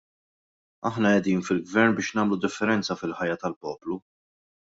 Aħna qegħdin fil-gvern biex nagħmlu differenza fil-ħajja tal-poplu.